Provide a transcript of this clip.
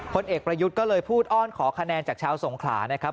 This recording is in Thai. เอกประยุทธ์ก็เลยพูดอ้อนขอคะแนนจากชาวสงขลานะครับ